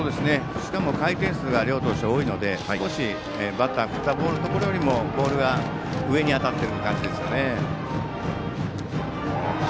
しかも回転数が両投手多いので少しバッターが振ったところよりボールが上に当たっている感じですね。